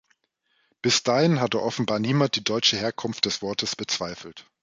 Bis dahin hatte offenbar niemand die deutsche Herkunft des Wortes bezweifelt.